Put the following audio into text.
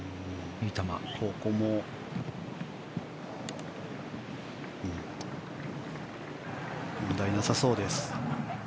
ここも問題なさそうです。